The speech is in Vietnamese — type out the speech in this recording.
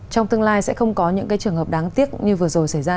trong tương lai sẽ không có những cái trường hợp đáng tiếc như vừa rồi xảy ra